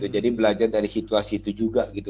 jadi belajar dari situasi itu juga gitu